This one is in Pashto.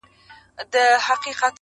مُلا ډوب سو په سبا یې جنازه سوه-